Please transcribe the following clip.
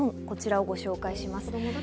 こちらをご紹介します。